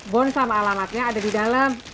bond sama alamatnya ada di dalam